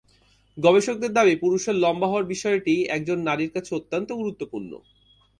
গবেষকদের দাবি, পুরুষের লম্বা হওয়ার বিষয়টি একজন নারীর কাছে অত্যন্ত গুরুত্বপূর্ণ।